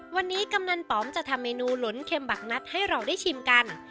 วันนี้กำนันป๋อมจะทำเมนูหลนเค็มบักนัดให้เราได้ชิมกัน